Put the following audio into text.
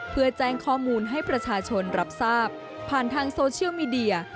เพื่อแจ้งข้อมูลให้ประชาชนรับทราบผ่านทางโซเชียลมีเดีย